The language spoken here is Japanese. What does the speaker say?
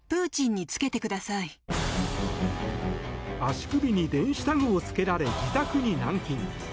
足首に電子タグをつけられ自宅に軟禁。